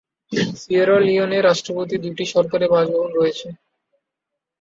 Sierra লিওনের রাষ্ট্রপতি দুটি সরকারি বাসভবন রয়েছে।